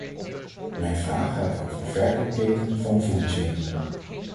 Mijn vraag gaat over de verkoopketen van voedingsmiddelen.